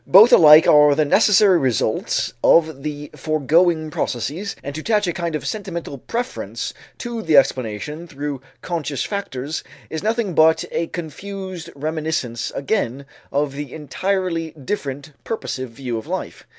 Both alike are the necessary results of the foregoing processes, and to attach a kind of sentimental preference to the explanation through conscious factors is nothing but a confused reminiscence again of the entirely different purposive view of life.